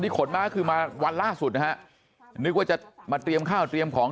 ขนมาก็คือมาวันล่าสุดนะฮะนึกว่าจะมาเตรียมข้าวเตรียมของ